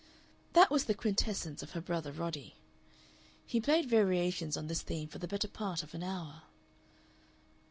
That was the quintessence of her brother Roddy. He played variations on this theme for the better part of an hour.